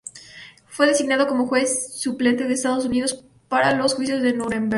Fue designado como juez suplente de Estados Unidos para los Juicios de Núremberg.